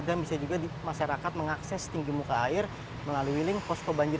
dan bisa juga masyarakat mengakses tinggi muka air melalui link kosko banjir satu